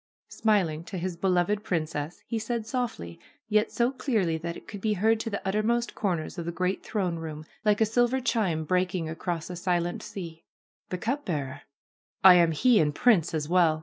Smiling to his beloved princess, he said softly yet so clearly that it could be heard to the uttermost corners of the great throne room like a silver chime breaking across a silent sea : ^^The cup bearer ! I am he and prince as well.